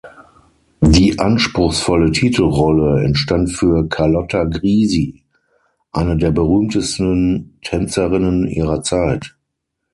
Die anspruchsvolle Titelrolle entstand für Carlotta Grisi, eine der berühmtesten Tänzerinnen ihrer Zeit.